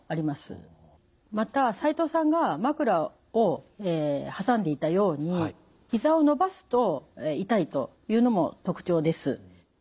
また齋藤さんが枕を挟んでいたようにひざを伸ばすと痛いというのも特徴です。